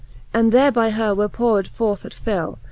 And there by her were poured forth at fill.